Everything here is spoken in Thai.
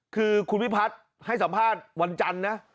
คือคุณพิพัฒน์ให้สัมภาษณ์วันจันทร์นะ